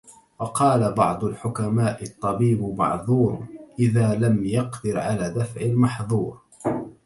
وَقَالَ بَعْضُ الْحُكَمَاءِ الطَّبِيبُ مَعْذُورٌ ، إذَا لَمْ يَقْدِرْ عَلَى دَفْعِ الْمَحْذُورِ